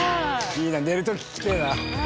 いいな寝る時聞きてえな。